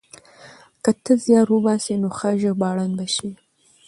که ته زيار وباسې نو ښه ژباړن به شې.